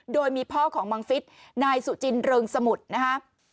โดยมีพ่อของบังฟิศนายสุจินเริงสมุทรนะครับ